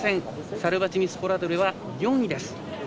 サルバチニスポラドレは４位です。